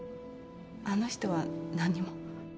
あの人は何にも。